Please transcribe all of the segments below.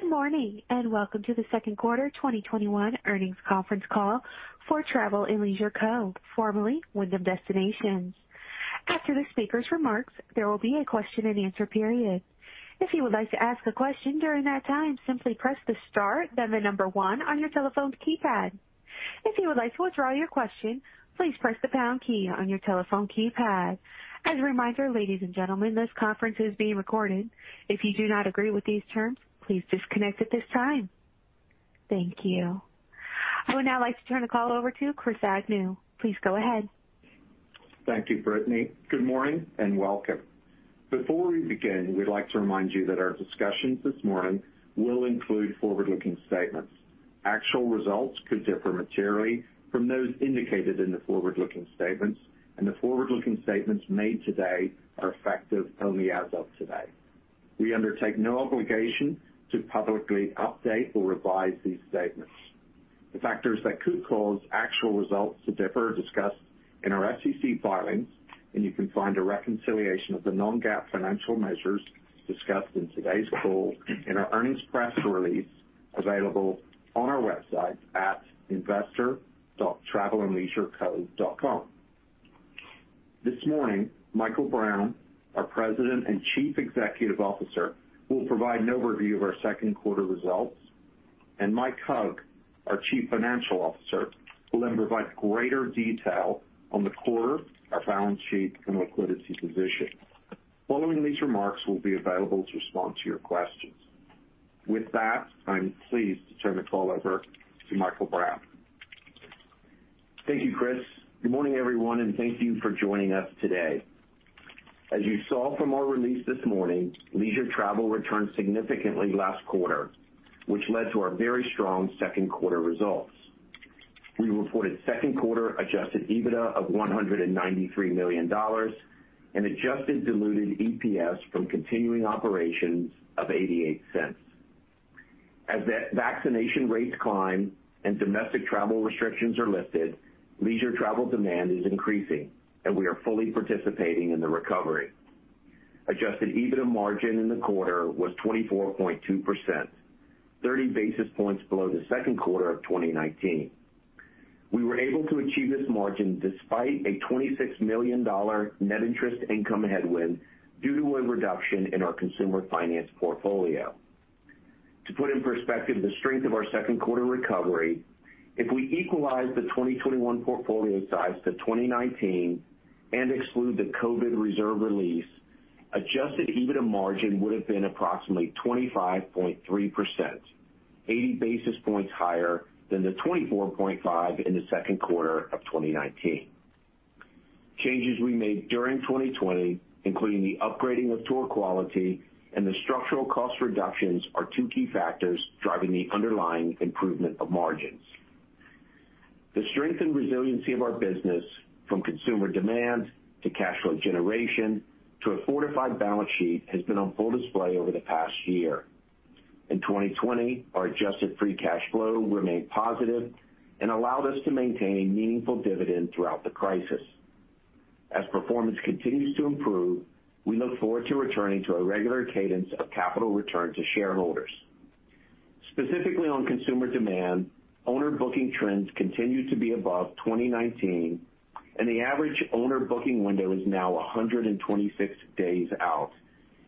Good morning, and welcome to the second quarter 2021 earnings conference call for Travel + Leisure Co., formerly Wyndham Destinations. After the speakers' remarks, there will be a question and answer period. If you would like to ask a question during that time, simply press the star, then the number one on your telephone's keypad. If you would like to withdraw your question, please press the pound key on your telephone keypad. As a reminder, ladies and gentlemen, this conference is being recorded. If you do not agree with these terms, please disconnect at this time. Thank you. I would now like to turn the call over to Chris Agnew. Please go ahead. Thank you, Brittany. Good morning and welcome. Before we begin, we'd like to remind you that our discussions this morning will include forward-looking statements. Actual results could differ materially from those indicated in the forward-looking statements, and the forward-looking statements made today are effective only as of today. We undertake no obligation to publicly update or revise these statements. The factors that could cause actual results to differ are discussed in our SEC filings, and you can find a reconciliation of the non-GAAP financial measures discussed in today's call in our earnings press release available on our website at investor.travelandleisureco.com. This morning, Michael Brown, our President and Chief Executive Officer, will provide an overview of our second quarter results, and Mike Hug, our Chief Financial Officer, will then provide greater detail on the quarter, our balance sheet, and liquidity position. Following these remarks, we'll be available to respond to your questions. With that, I'm pleased to turn the call over to Michael Brown. Thank you, Chris. Good morning, everyone, and thank you for joining us today. As you saw from our release this morning, leisure travel returned significantly last quarter, which led to our very strong second quarter results. We reported second quarter adjusted EBITDA of $193 million and adjusted diluted EPS from continuing operations of $0.88. As vaccination rates climb and domestic travel restrictions are lifted, leisure travel demand is increasing, and we are fully participating in the recovery. Adjusted EBITDA margin in the quarter was 24.2%, 30 basis points below the second quarter of 2019. We were able to achieve this margin despite a $26 million net interest income headwind due to a reduction in our consumer finance portfolio. To put in perspective the strength of our second quarter recovery, if we equalize the 2021 portfolio size to 2019 and exclude the COVID reserve release, adjusted EBITDA margin would've been approximately 25.3%, 80 basis points higher than the 24.5% in the second quarter of 2019. Changes we made during 2020, including the upgrading of tour quality and the structural cost reductions, are two key factors driving the underlying improvement of margins. The strength and resiliency of our business, from consumer demand to cash flow generation to a fortified balance sheet, has been on full display over the past year. In 2020, our adjusted free cash flow remained positive and allowed us to maintain a meaningful dividend throughout the crisis. As performance continues to improve, we look forward to returning to a regular cadence of capital return to shareholders. Specifically on consumer demand, owner booking trends continue to be above 2019, and the average owner booking window is now 126 days out,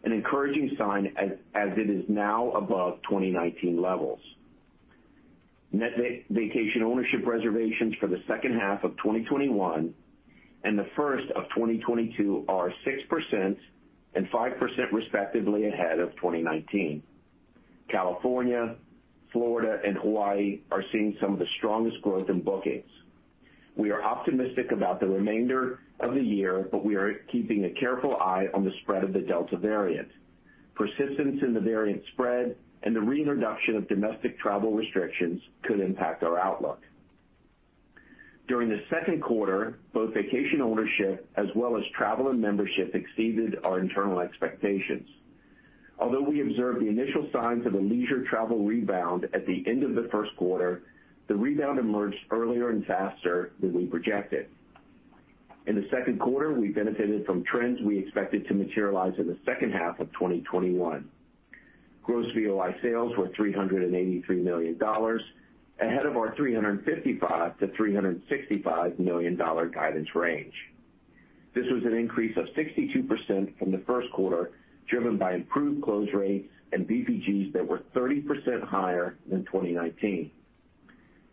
an encouraging sign as it is now above 2019 levels. Net Vacation Ownership reservations for the second half of 2021 and the first of 2022 are 6% and 5% respectively ahead of 2019. California, Florida, and Hawaii are seeing some of the strongest growth in bookings. We are optimistic about the remainder of the year, but we are keeping a careful eye on the spread of the Delta variant. Persistence in the variant spread and the reintroduction of domestic travel restrictions could impact our outlook. During the second quarter, both Vacation Ownership as well as Travel and Membership exceeded our internal expectations. Although we observed the initial signs of a leisure travel rebound at the end of the first quarter, the rebound emerged earlier and faster than we projected. In the second quarter, we benefited from trends we expected to materialize in the second half of 2021. Gross VOI sales were $383 million, ahead of our $355 million-$365 million guidance range. This was an increase of 62% from the first quarter, driven by improved close rates and VPGs that were 30% higher than 2019.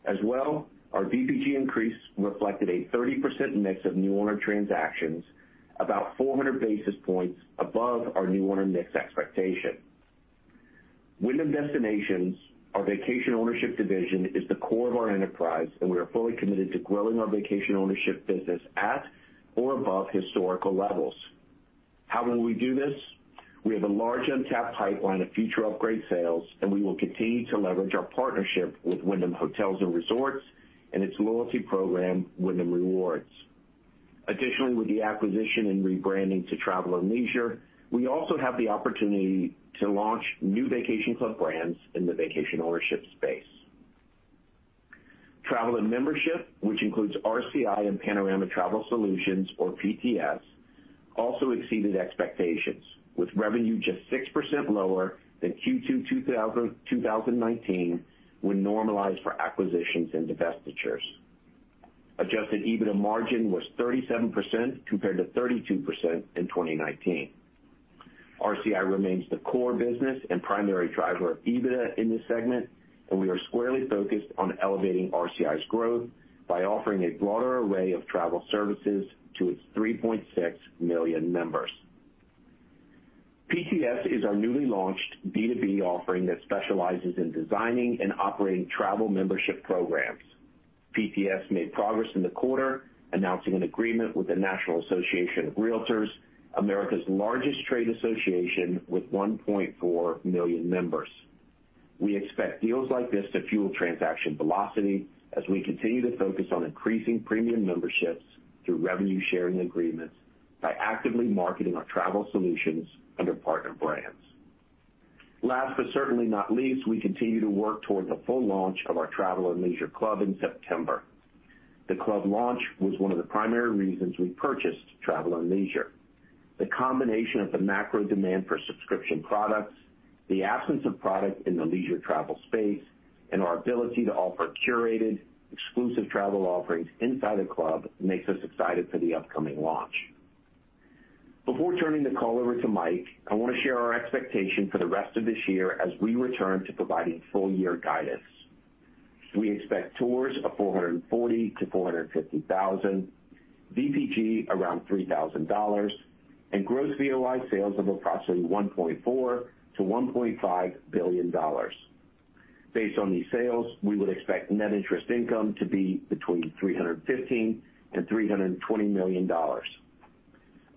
As well, our VPG increase reflected a 30% mix of new owner transactions, about 400 basis points above our new owner mix expectation. Wyndham Destinations, our Vacation Ownership division, is the core of our enterprise, and we are fully committed to growing our Vacation Ownership business at or above historical levels. How will we do this? We have a large untapped pipeline of future upgrade sales, and we will continue to leverage our partnership with Wyndham Hotels & Resorts and its loyalty program, Wyndham Rewards. Additionally, with the acquisition and rebranding to Travel + Leisure, we also have the opportunity to launch new vacation club brands in the Vacation Ownership space. Travel and Membership, which includes RCI and Panorama Travel Solutions or PTS, also exceeded expectations with revenue just 6% lower than Q2 2019 when normalized for acquisitions and divestitures. Adjusted EBITDA margin was 37% compared to 32% in 2019. RCI remains the core business and primary driver of EBITDA in this segment, and we are squarely focused on elevating RCI's growth by offering a broader array of travel services to its 3.6 million members. PTS is our newly launched B2B offering that specializes in designing and operating travel membership programs. PTS made progress in the quarter, announcing an agreement with the National Association of Realtors, America's largest trade association with 1.4 million members. We expect deals like this to fuel transaction velocity as we continue to focus on increasing premium memberships through revenue sharing agreements by actively marketing our travel solutions under partner brands. Last but certainly not least, we continue to work towards the full launch of our Travel + Leisure Club in September. The club launch was one of the primary reasons we purchased Travel + Leisure. The combination of the macro demand for subscription products, the absence of product in the leisure travel space, and our ability to offer curated exclusive travel offerings inside the club makes us excited for the upcoming launch. Before turning the call over to Mike, I want to share our expectation for the rest of this year as we return to providing full year guidance. We expect tours of $440,000-$450,000, VPG around $3,000, and gross VOI sales of approximately $1.4 billion-$1.5 billion. Based on these sales, we would expect net interest income to be between $315 million and $320 million.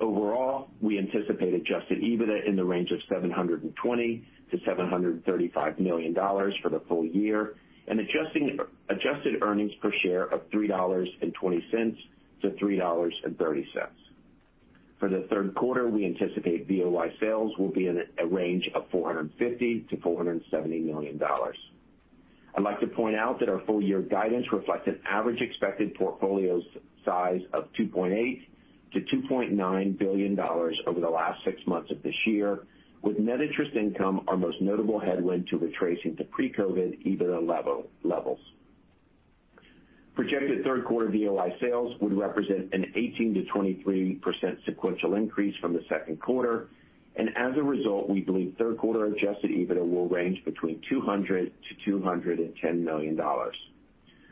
Overall, we anticipate adjusted EBITDA in the range of $720 million-$735 million for the full year, and adjusted earnings per share of $3.20-$3.30. For the third quarter, we anticipate VOI sales will be in a range of $450 million-$470 million. I'd like to point out that our full year guidance reflects an average expected portfolio size of $2.8 billion-$2.9 billion over the last six months of this year, with net interest income, our most notable headwind to retracing to pre-COVID EBITDA levels. Projected third quarter VOI sales would represent an 18%-23% sequential increase from the second quarter. As a result, we believe third quarter adjusted EBITDA will range between $200 million-$210 million.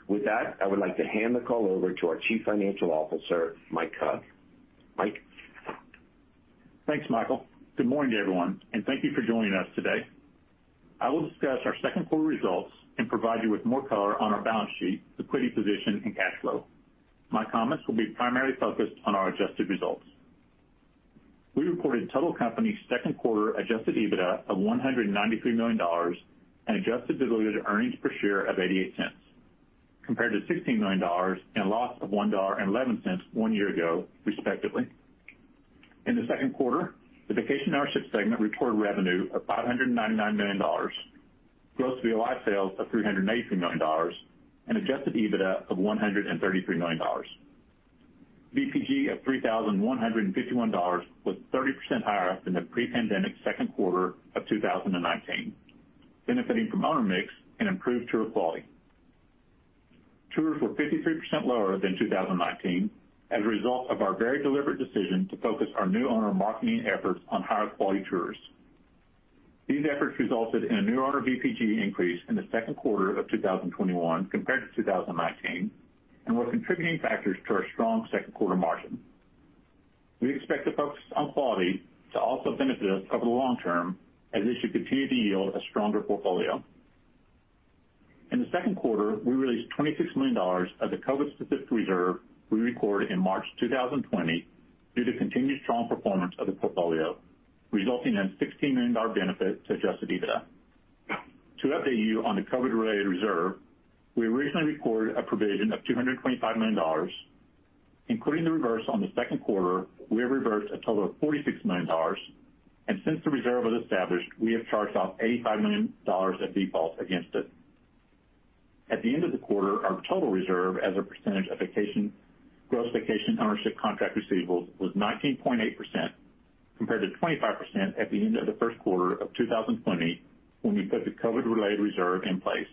With that, I would like to hand the call over to our Chief Financial Officer, Mike Hug. Mike? Thanks, Michael. Good morning to everyone, and thank you for joining us today. I will discuss our second quarter results and provide you with more color on our balance sheet, liquidity position, and cash flow. My comments will be primarily focused on our adjusted results. We reported total company second quarter adjusted EBITDA of $193 million and adjusted diluted earnings per share of $0.88, compared to $16 million and a loss of $1.11 one year ago, respectively. In the second quarter, the Vacation Ownership segment reported revenue of $599 million, gross VOI sales of $383 million, and adjusted EBITDA of $133 million. VPG of $3,151 was 30% higher than the pre-pandemic second quarter of 2019, benefiting from owner mix and improved tour quality. Tours were 53% lower than 2019 as a result of our very deliberate decision to focus our new owner marketing efforts on higher quality tours. These efforts resulted in a new owner VPG increase in the second quarter of 2021 compared to 2019 and were contributing factors to our strong second quarter margin. We expect the focus on quality to also benefit us over the long term as this should continue to yield a stronger portfolio. In the second quarter, we released $26 million of the COVID-specific reserve we recorded in March 2020 due to continued strong performance of the portfolio, resulting in a $16 million benefit to adjusted EBITDA. To update you on the COVID-related reserve, we recently recorded a provision of $225 million. Including the reverse on the second quarter, we have reversed a total of $46 million, and since the reserve was established, we have charged off $85 million of defaults against it. At the end of the quarter, our total reserve as a percentage of gross Vacation Ownership contract receivables was 19.8%, compared to 25% at the end of the first quarter of 2020 when we put the COVID-related reserve in place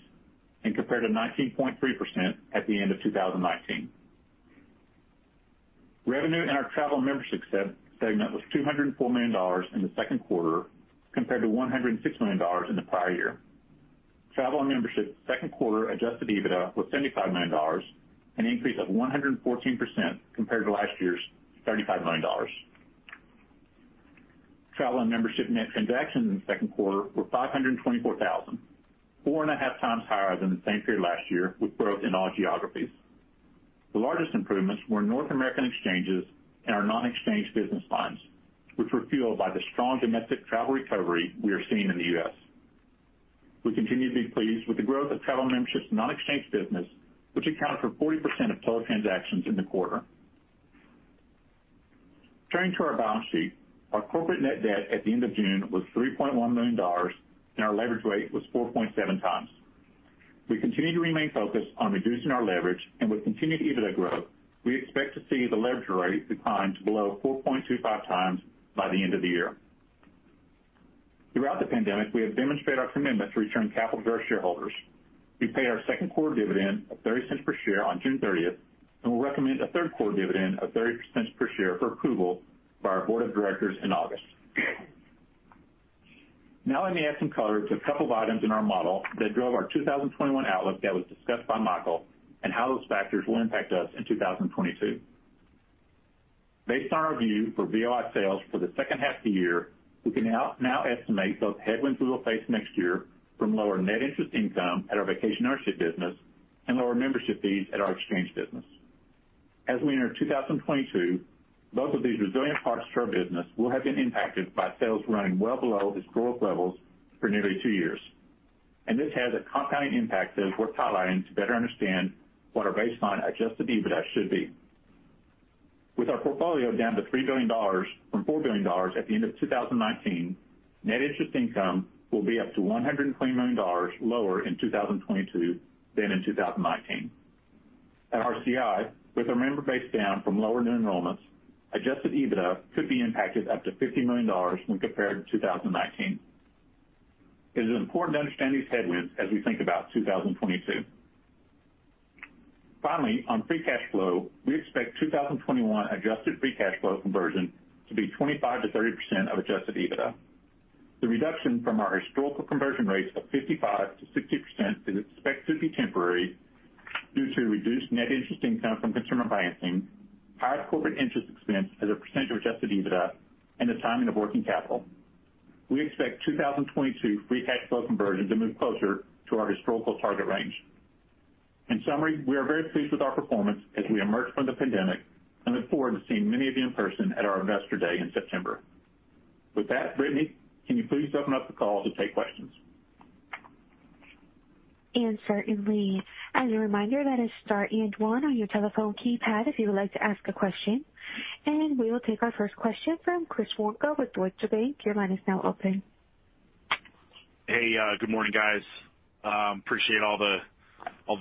and compared to 19.3% at the end of 2019. Revenue in our Travel and Membership segment was $204 million in the second quarter, compared to $106 million in the prior year. Travel and Membership second quarter adjusted EBITDA was $75 million, an increase of 114% compared to last year's $35 million. Travel and Membership net transactions in the second quarter were $524,000, four and a half times higher than the same period last year, with growth in all geographies. The largest improvements were North American exchanges and our non-exchange business lines, which were fueled by the strong domestic travel recovery we are seeing in the U.S. We continue to be pleased with the growth of Travel and Membership non-exchange business, which accounted for 40% of total transactions in the quarter. Turning to our balance sheet, our corporate net debt at the end of June was $3.1 million, and our leverage rate was 4.7x. We continue to remain focused on reducing our leverage and with continued EBITDA growth, we expect to see the leverage rate decline to below 4.25x by the end of the year. Throughout the pandemic, we have demonstrated our commitment to return capital to our shareholders. We paid our second quarter dividend of $0.30 per share on June 30th, and we'll recommend a third quarter dividend of $0.30 per share for approval by our board of directors in August. Now let me add some color to a couple of items in our model that drove our 2021 outlook that was discussed by Michael, and how those factors will impact us in 2022. Based on our view for VOI sales for the second half of the year, we can now estimate those headwinds we will face next year from lower net interest income at our Vacation Ownership business and lower membership fees at our exchange business. As we enter 2022, both of these resilient parts to our business will have been impacted by sales running well below historic levels for nearly two years, and this has a compounding impact that is worth highlighting to better understand what our baseline adjusted EBITDA should be. With our portfolio down to $3 billion from $4 billion at the end of 2019, net interest income will be up to $120 million lower in 2022 than in 2019. At RCI, with our member base down from lower new enrollments, adjusted EBITDA could be impacted up to $50 million when compared to 2019. It is important to understand these headwinds as we think about 2022. Finally, on free cash flow, we expect 2021 adjusted free cash flow conversion to be 25%-30% of adjusted EBITDA. The reduction from our historical conversion rates of 55%-60% is expected to be temporary due to reduced net interest income from consumer financing, higher corporate interest expense as a percent of adjusted EBITDA, and the timing of working capital. We expect 2022 free cash flow conversion to move closer to our historical target range. In summary, we are very pleased with our performance as we emerge from the pandemic and look forward to seeing many of you in person at our Investor Day in September. With that, Brittany, can you please open up the call to take questions? Certainly. As a reminder, that is star and one on your telephone keypad if you would like to ask a question, and we will take our first question from Chris Woronka with Deutsche Bank. Your line is now open. Hey, good morning, guys. Appreciate all the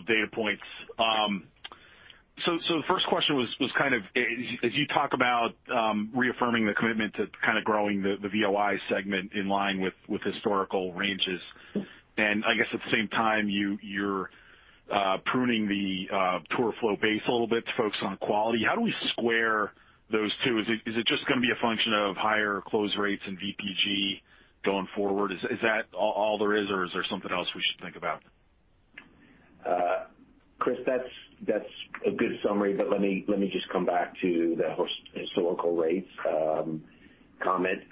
data points. The first question was kind of as you talk about reaffirming the commitment to kind of growing the VOI segment in line with historical ranges, and I guess at the same time, you're pruning the tour flow base a little bit to focus on quality. How do we square those two? Is it just going to be a function of higher close rates and VPG going forward? Is that all there is, or is there something else we should think about? Chris, that's a good summary, but let me just come back to the historical rates comment.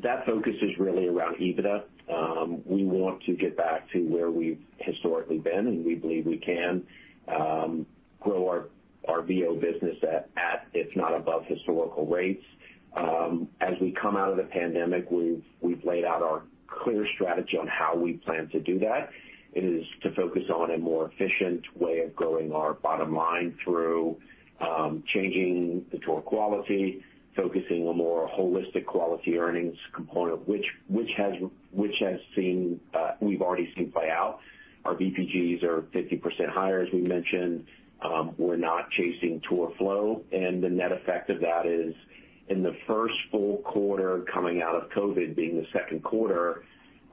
That focus is really around EBITDA. We want to get back to where we've historically been, and we believe we can grow our VO business at, if not above, historical rates. As we come out of the pandemic, we've laid out our clear strategy on how we plan to do that. It is to focus on a more efficient way of growing our bottom line through changing the tour quality, focusing on more holistic quality earnings component which we've already seen play out. Our VPGs are 50% higher, as we mentioned. We're not chasing tour flow, and the net effect of that is in the first full quarter coming out of COVID being the second quarter,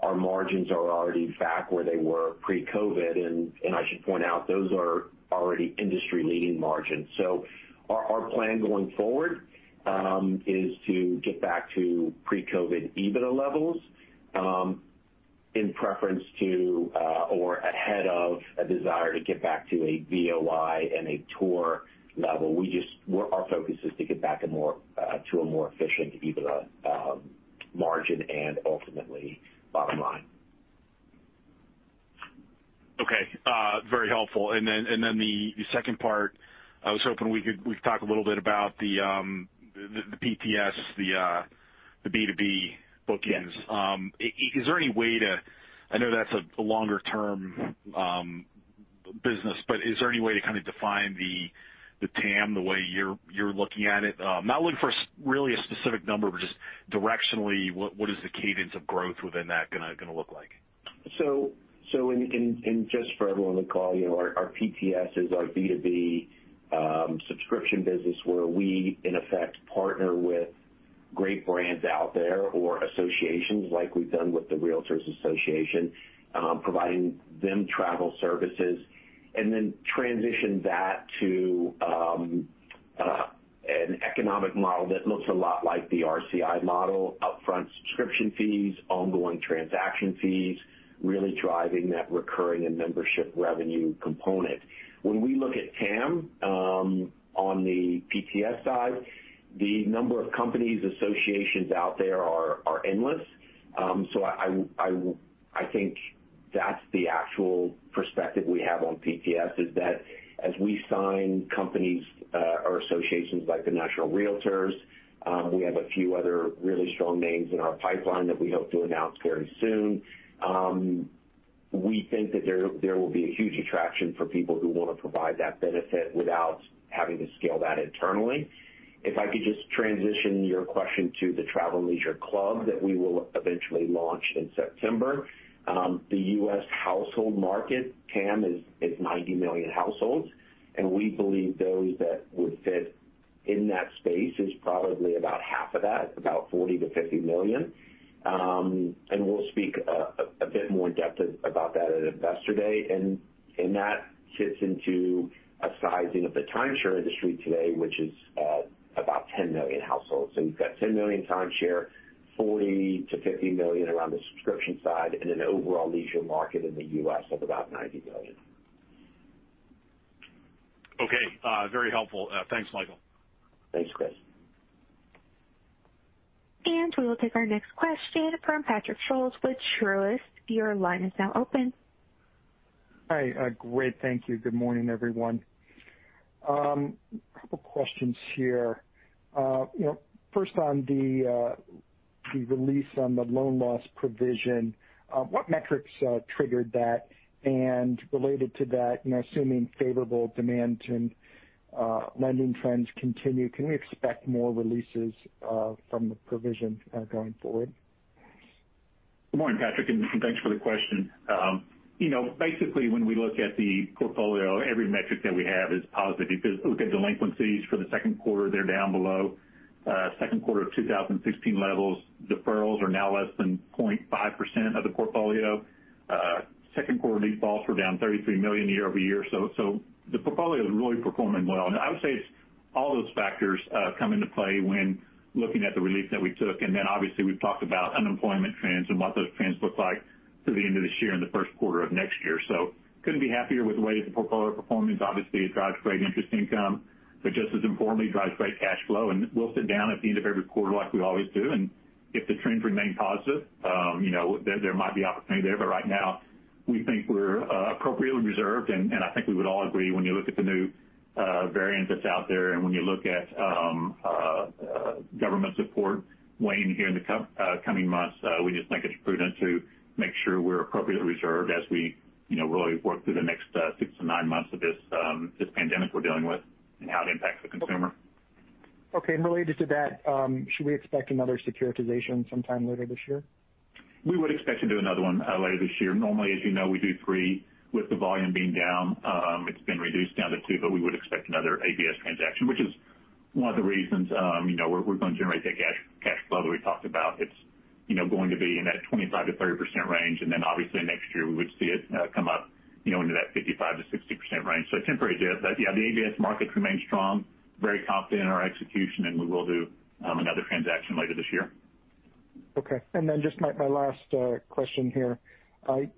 our margins are already back where they were pre-COVID, and I should point out, those are already industry leading margins. Our plan going forward is to get back to pre-COVID EBITDA levels in preference to or ahead of a desire to get back to a VOI and a tour level. Our focus is to get back to a more efficient EBITDA margin and ultimately bottom line. Okay. Very helpful. The second part, I was hoping we could talk a little bit about the PTS, the B2B bookings. Yes. I know that's a longer term business, but is there any way to kind of define the TAM the way you're looking at it? Not looking for really a specific number, but just directionally, what is the cadence of growth within that going to look like? Just for everyone on the call, our PTS is our B2B subscription business where we, in effect, partner with great brands out there or associations like we've done with the Realtors Association, providing them travel services, and then transition that to an economic model that looks a lot like the RCI model. Upfront subscription fees, ongoing transaction fees, really driving that recurring and membership revenue component. When we look at TAM on the PTS side, the number of companies, associations out there are endless. I think that's the actual perspective we have on PTS, is that as we sign companies or associations like the National Realtors, we have a few other really strong names in our pipeline that we hope to announce very soon. We think that there will be a huge attraction for people who want to provide that benefit without having to scale that internally. If I could just transition your question to the Travel + Leisure Club that we will eventually launch in September. The U.S. household market, TAM, is 90 million households, and we believe those that would fit in that space is probably about half of that, about 40 million-50 million. We'll speak a bit more in-depth about that at Investor Day. That sits into a sizing of the timeshare industry today which is about 10 million households. You've got 10 million timeshare, 40 million-50 million around the subscription side, and an overall leisure market in the U.S. of about 90 million. Okay. Very helpful. Thanks, Michael. Thanks, Chris. We will take our next question from Patrick Scholes with Truist. Your line is now open. Hi. Great. Thank you. Good morning, everyone. Couple questions here. First, on the release on the loan loss provision, what metrics triggered that? Related to that, assuming favorable demand and lending trends continue, can we expect more releases from the provision going forward? Good morning, Patrick, thanks for the question. Basically, when we look at the portfolio, every metric that we have is positive because look at delinquencies for the second quarter, they're down below second quarter of 2016 levels. Deferrals are now less than 0.5% of the portfolio. Second quarter defaults were down $33 million year-over-year. The portfolio is really performing well. I would say it's all those factors come into play when looking at the relief that we took. Obviously, we've talked about unemployment trends and what those trends look like through the end of this year and the first quarter of next year. Couldn't be happier with the way the portfolio performance, obviously it drives great interest income, but just as importantly, drives great cash flow. We'll sit down at the end of every quarter like we always do, and if the trends remain positive there might be opportunity there. Right now, we think we're appropriately reserved, and I think we would all agree when you look at the new variant that's out there and when you look at government support wane here in the coming months, we just think it's prudent to make sure we're appropriately reserved as we really work through the next six to nine months of this pandemic we're dealing with and how it impacts the consumer. Okay. Related to that, should we expect another securitization sometime later this year? We would expect to do another one later this year. Normally, as you know, we do three. With the volume being down, it's been reduced down to two, we would expect another ABS transaction, which is one of the reasons we're going to generate that cash flow that we talked about. It's going to be in that 25%-30% range. Obviously next year we would see it come up into that 55%-60% range. Temporary there. Yeah, the ABS markets remain strong. Very confident in our execution, and we will do another transaction later this year. Okay. Just my last question here.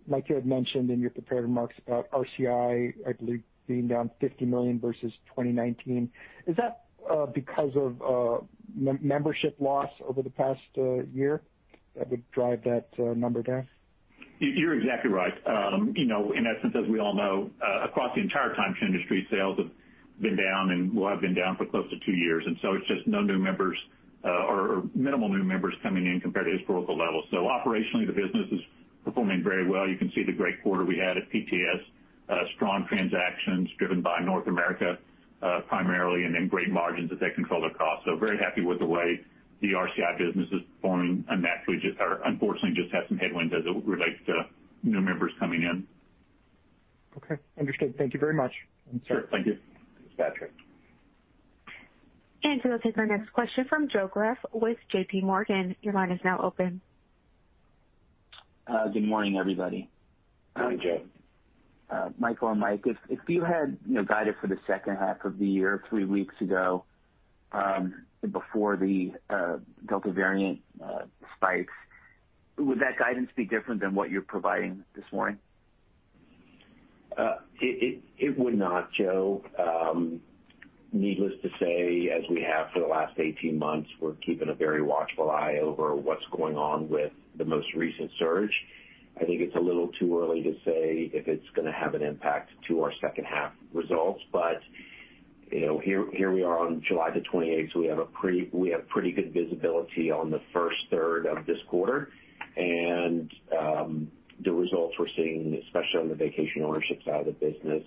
Mike, you had mentioned in your prepared remarks about RCI, I believe, being down $50 million versus 2019. Is that because of membership loss over the past year that would drive that number down? You're exactly right. In essence, as we all know, across the entire timeshare industry, sales have been down and will have been down for close to two years. It's just no new members or minimal new members coming in compared to historical levels. Operationally, the business is performing very well. You can see the great quarter we had at PTS. Strong transactions driven by North America primarily, and then great margins as they control their cost. Very happy with the way the RCI business is performing and that we just unfortunately just had some headwinds as it relates to new members coming in. Okay, understood. Thank you very much. Sure. Thank you. Thanks, Patrick. We'll take our next question from Joe Greff with JP Morgan. Your line is now open. Good morning, everybody. Good morning, Joe Greff. Michael or Mike, if you had guided for the second half of the year three weeks ago before the Delta variant spikes, would that guidance be different than what you're providing this morning? It would not, Joe. Needless to say, as we have for the last 18 months, we're keeping a very watchful eye over what's going on with the most recent surge. I think it's a little too early to say if it's going to have an impact to our second half results, but here we are on July the 28th, so we have pretty good visibility on the first third of this quarter. The results we're seeing, especially on the Vacation Ownership side of the business,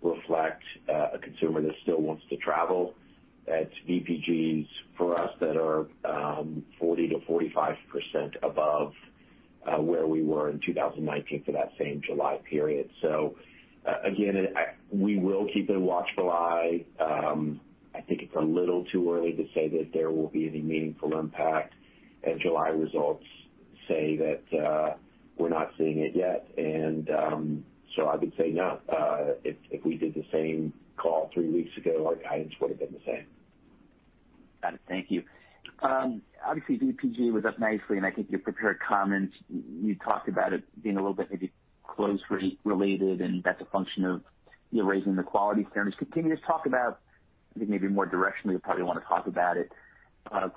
reflect a consumer that still wants to travel. That's VPGs for us that are 40%-45% above where we were in 2019 for that same July period. Again, we will keep a watchful eye. I think it's a little too early to say that there will be any meaningful impact. July results say that we're not seeing it yet. I would say no. If we did the same call three weeks ago, our guidance would have been the same. Got it. Thank you. Obviously, VPG was up nicely, and I think your prepared comments, you talked about it being a little bit maybe close rate related, and that's a function of you raising the quality standards. Can you just talk about, I think maybe more directionally you probably want to talk about it,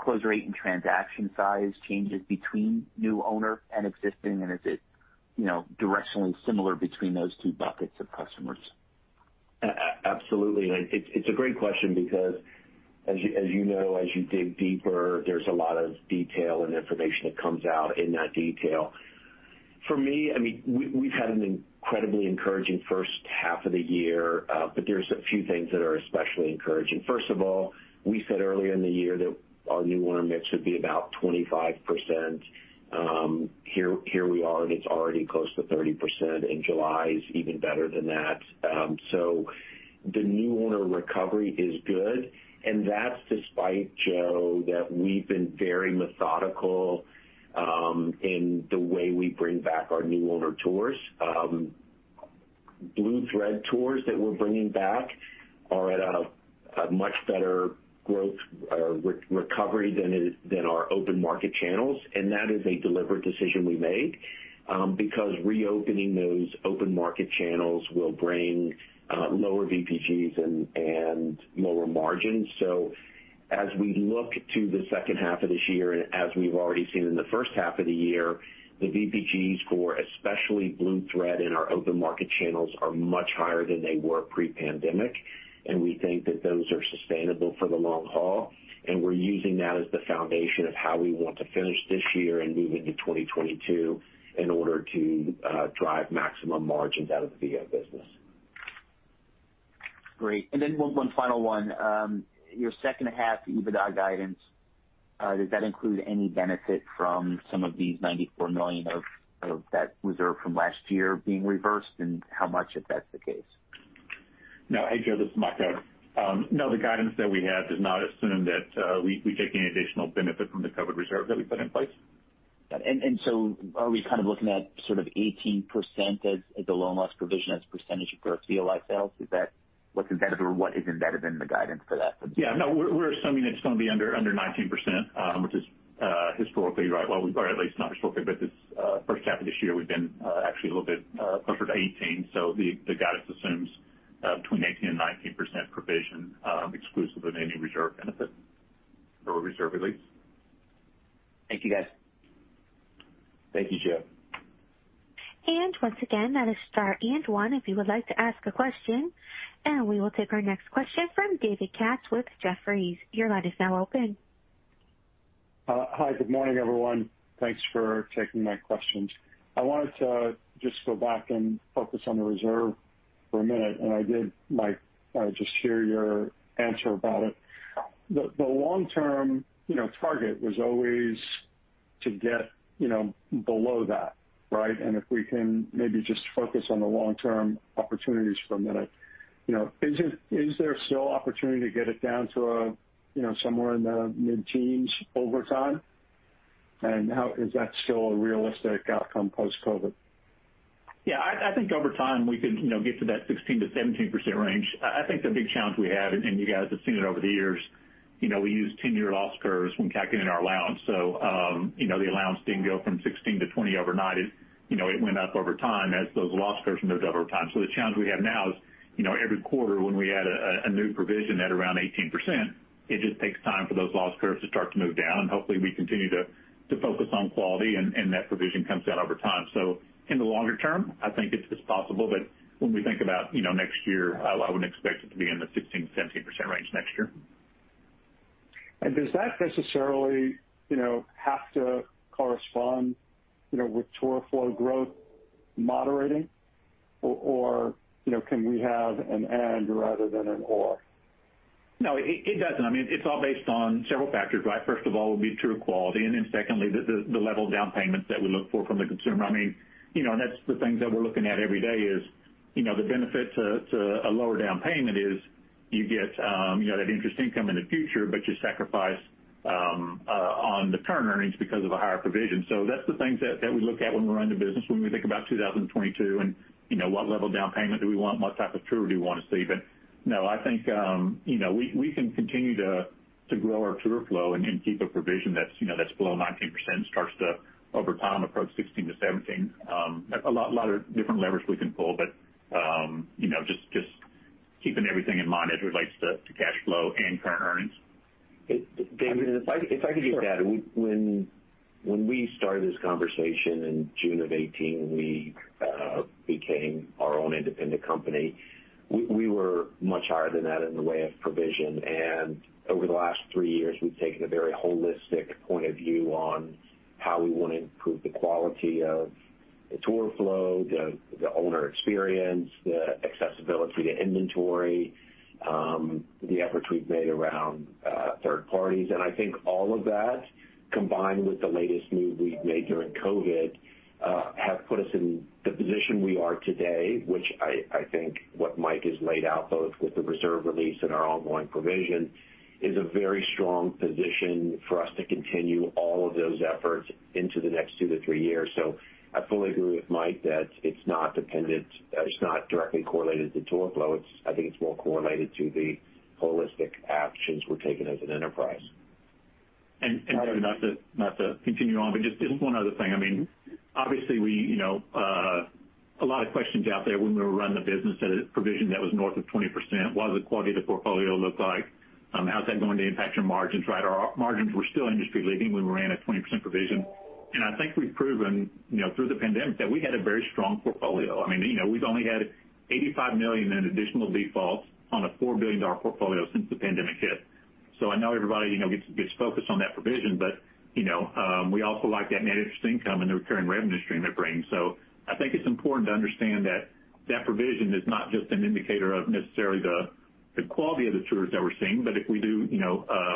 close rate and transaction size changes between new owner and existing, and is it directionally similar between those two buckets of customers? Absolutely. It's a great question because as you know, as you dig deeper, there's a lot of detail and information that comes out in that detail. For me, we've had an incredibly encouraging first half of the year, but there's a few things that are especially encouraging. First of all, we said earlier in the year that our new owner mix would be about 25%. Here we are, and it's already close to 30%, and July is even better than that. The new owner recovery is good, and that's despite, Joe, that we've been very methodical in the way we bring back our new owner tours. Blue Thread tours that we're bringing back are at a much better growth recovery than our open market channels. That is a deliberate decision we made because reopening those open market channels will bring lower VPGs and lower margins. As we look to the second half of this year, and as we've already seen in the first half of the year, the VPGs for especially Blue Thread and our open market channels are much higher than they were pre-pandemic, and we think that those are sustainable for the long haul. We're using that as the foundation of how we want to finish this year and move into 2022 in order to drive maximum margins out of the business. Great. One final one. Your second half EBITDA guidance, does that include any benefit from some of these $94 million of that reserve from last year being reversed? How much, if that's the case? No. Hey, Joe, this is Mike. No, the guidance that we have does not assume that we take any additional benefit from the COVID reserve that we put in place. Got it. Are we kind of looking at sort of 18% as the loan loss provision as a percentage of gross VOI sales? Is that what's embedded, or what is embedded in the guidance for that? Yeah, no, we're assuming it's going to be under 19%, which is historically right. Well, or at least not historically, but this first half of this year, we've been actually a little bit closer to 18%. The guidance assumes between 18% and 19% provision exclusive of any reserve benefit or reserve release. Thank you, guys. Thank you, Joe. Once again, that is star and one if you would like to ask a question. We will take our next question from David Katz with Jefferies. Your line is now open. Hi. Good morning, everyone. Thanks for taking my questions. I wanted to just go back and focus on the reserve for a minute. I did, Mike, just hear your answer about it. The long-term target was always to get below that, right? If we can maybe just focus on the long-term opportunities for a minute. Is there still opportunity to get it down to somewhere in the mid-teens over time? Is that still a realistic outcome post-COVID? Yeah, I think over time we could get to that 16%-17% range. I think the big challenge we have, and you guys have seen it over the years, we use 10-year loss curves when calculating our allowance. The allowance didn't go from 16% to 20% overnight. It went up over time as those loss curves moved up over time. The challenge we have now is every quarter when we add a new provision at around 18%, it just takes time for those loss curves to start to move down. Hopefully we continue to focus on quality and that provision comes down over time. In the longer term, I think it's possible. When we think about next year, I wouldn't expect it to be in the 16%-17% range next year. Does that necessarily have to correspond with tour flow growth moderating, or can we have an and rather than an or? No, it doesn't. It's all based on several factors, right? First of all would be tour quality, and then secondly, the level of down payments that we look for from the consumer. That's the things that we're looking at every day is the benefit to a lower down payment is you get that interest income in the future, but you sacrifice on the current earnings because of a higher provision. That's the things that we look at when we run the business, when we think about 2022 and what level down payment do we want, what type of tour do we want to see. No, I think we can continue to grow our tour flow and keep a provision that's below 19%, starts to over time approach 16%-17%. A lot of different levers we can pull, but just keeping everything in mind as it relates to cash flow and current earnings. David, if I could get that. When we started this conversation in June of 2018, we became our own independent company. We were much higher than that in the way of provision. Over the last three years, we've taken a very holistic point of view on how we want to improve the quality of the tour flow, the owner experience, the accessibility to inventory, the efforts we've made around third parties. I think all of that, combined with the latest move we've made during COVID, have put us in the position we are today, which I think what Mike has laid out, both with the reserve release and our ongoing provision, is a very strong position for us to continue all of those efforts into the next two to three years. I fully agree with Mike that it's not directly correlated to tour flow. I think it's more correlated to the holistic actions we're taking as an enterprise. David, not to continue on, but just one other thing. Obviously, a lot of questions out there when we were running the business at a provision that was north of 20%. What does the quality of the portfolio look like? How's that going to impact your margins, right? Our margins were still industry leading when we ran a 20% provision. I think we've proven through the pandemic that we had a very strong portfolio. We've only had $85 million in additional defaults on a $4 billion portfolio since the pandemic hit. I know everybody gets focused on that provision, but we also like that net interest income and the recurring revenue stream it brings. I think it's important to understand that that provision is not just an indicator of necessarily the quality of the tours that we're seeing, but if we do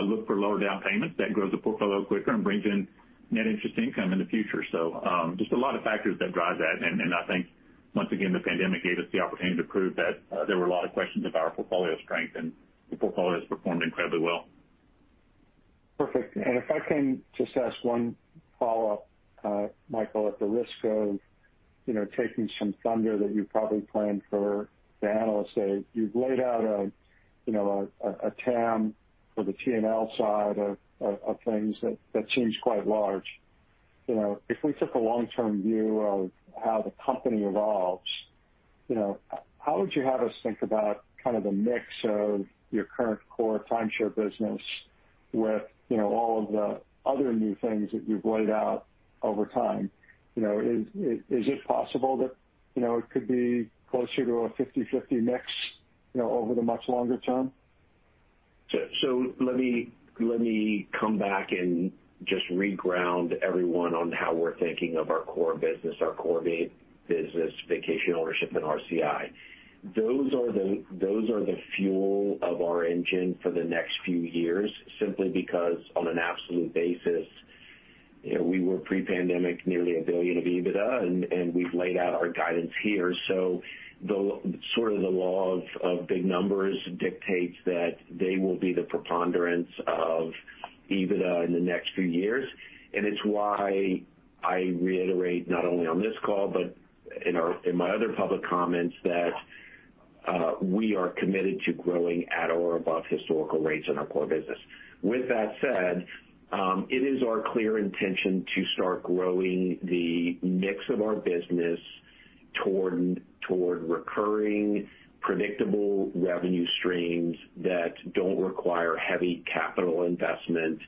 look for lower down payments, that grows the portfolio quicker and brings in net interest income in the future. Just a lot of factors that drive that. I think, once again, the pandemic gave us the opportunity to prove that there were a lot of questions of our portfolio strength, and the portfolio has performed incredibly well. Perfect. If I can just ask one follow-up, Michael, at the risk of taking some thunder that you probably planned for the analysts. You've laid out a TAM for the TNL side of things that seems quite large. If we took a long-term view of how the company evolves, how would you have us think about kind of the mix of your current core timeshare business with all of the other new things that you've laid out over time? Is it possible that it could be closer to a 50/50 mix over the much longer term? Let me come back and just reground everyone on how we're thinking of our core business, our core business Vacation Ownership in RCI. Those are the fuel of our engine for the next few years, simply because on an absolute basis, we were pre-pandemic nearly $1 billion of EBITDA, and we've laid out our guidance here. The sort of the law of big numbers dictates that they will be the preponderance of EBITDA in the next few years, and it's why I reiterate, not only on this call, but in my other public comments, that we are committed to growing at or above historical rates in our core business. With that said, it is our clear intention to start growing the mix of our business toward recurring, predictable revenue streams that don't require heavy capital investment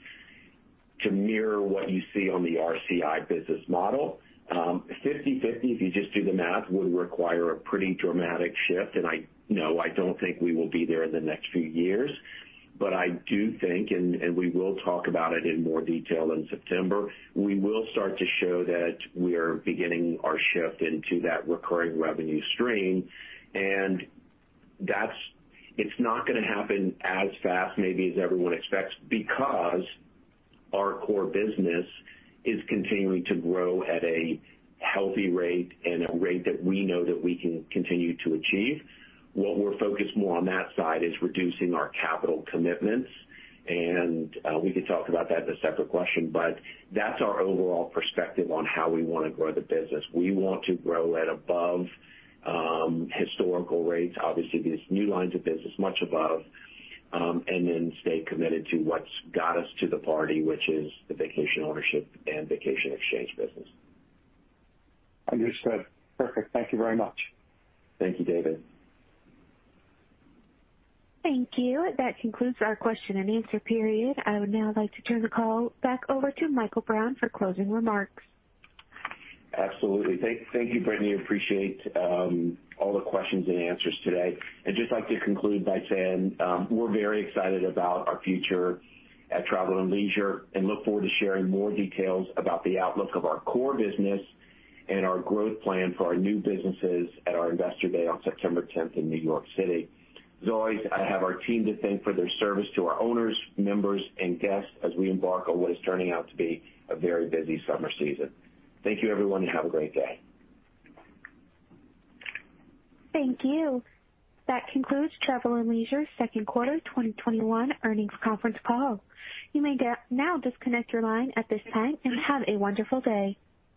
to mirror what you see on the RCI business model. 50/50, if you just do the math, would require a pretty dramatic shift, and no, I don't think we will be there in the next few years. I do think, and we will talk about it in more detail in September, we will start to show that we are beginning our shift into that recurring revenue stream. It's not going to happen as fast maybe as everyone expects, because our core business is continuing to grow at a healthy rate and a rate that we know that we can continue to achieve. What we're focused more on that side is reducing our capital commitments, and we could talk about that as a separate question, but that's our overall perspective on how we want to grow the business. We want to grow at above historical rates, obviously these new lines of business, much above, and then stay committed to what's got us to the party, which is the Vacation Ownership and Vacation Exchange business. Understood. Perfect. Thank you very much. Thank you, David. Thank you. That concludes our question and answer period. I would now like to turn the call back over to Michael Brown for closing remarks. Absolutely. Thank you, Brittany. Appreciate all the questions and answers today. I'd just like to conclude by saying we're very excited about our future at Travel + Leisure and look forward to sharing more details about the outlook of our core business and our growth plan for our new businesses at our Investor Day on September 10th in New York City. As always, I have our team to thank for their service to our owners, members, and guests as we embark on what is turning out to be a very busy summer season. Thank you, everyone, and have a great day. Thank you. That concludes Travel + Leisure second quarter 2021 earnings conference call. You may now disconnect your line at this time, and have a wonderful day.